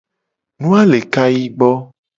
Nu a le kayi gbo.